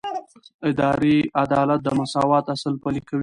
اداري عدالت د مساوات اصل پلي کوي.